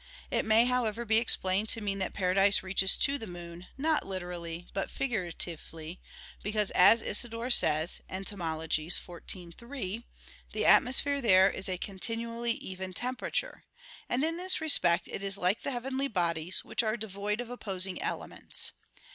It may, however, be explained to mean that paradise reaches to the moon, not literally, but figuratively; because, as Isidore says (Etym. xiv, 3), the atmosphere there is "a continually even temperature"; and in this respect it is like the heavenly bodies, which are devoid of opposing elements.